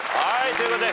ということで